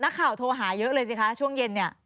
นักข่าวโทรหาเยอะเลยสิคะช่วงเย็นเนี่ย